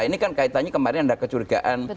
ini kan kaitannya kemarin ada kecurigaan